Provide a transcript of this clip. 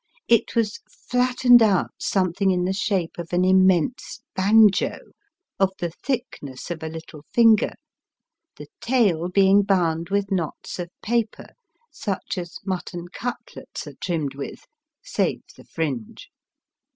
It was flattened out something in the shape of an immense banjo, of the thickness of a little finger, the tail being bound with knots of paper such as mutton cutlets are trimmed with, save the fringe.